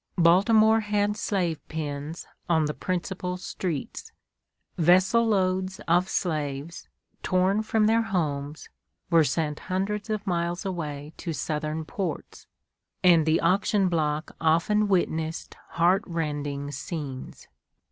Baltimore had slave pens on the principal streets. Vessel loads of slaves, torn from their homes, were sent hundreds of miles away to southern ports, and the auction block often witnessed heart rending scenes.